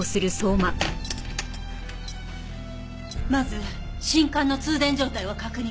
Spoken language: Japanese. まず信管の通電状態を確認。